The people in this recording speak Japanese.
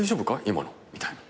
今のみたいな。